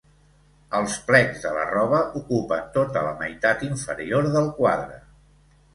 Els plecs de la roba ocupen tota la meitat inferior del quadre.